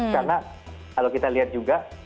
karena kalau kita lihat juga